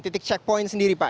titik checkpoint sendiri pak